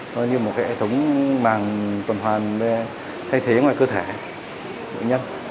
nó như một hệ thống màng tuần hoàn thay thế ngoài cơ thể bệnh nhân